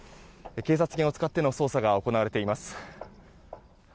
警察犬を使っての捜査が行われています。